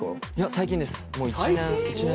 最近です。